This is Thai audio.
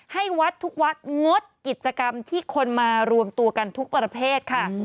ให้วัดทุกวัดงดกิจกรรมที่คนมารวมตัวกันทุกประเภทค่ะ